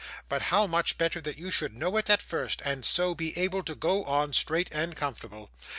'But how much better that you should know it at first, and so be able to go on, straight and comfortable!